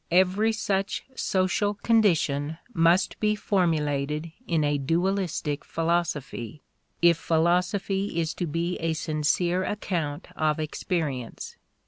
Every such social condition must be formulated in a dualistic philosophy, if philosophy is to be a sincere account of experience.